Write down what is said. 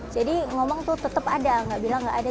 jadi ngomong tuh tetep ada nggak bilang nggak ada